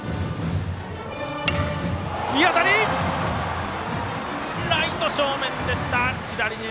いい当たりだがライト正面でした。